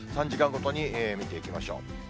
３時間ごとに見ていきましょう。